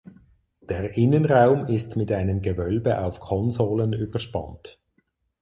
Der Innenraum ist mit einem Gewölbe auf Konsolen überspannt.